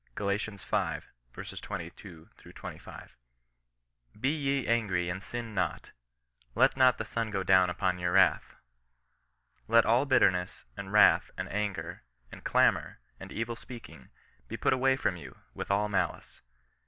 Gal. V. 22 — 25. " Be ye angry and sin not ; let not the sun go down upon your wrath." " Let all bitterness, and wrath, and anger, and clamour, and evil speaking, be put away from you, with all malice."